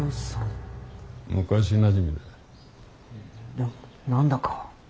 でも何だか。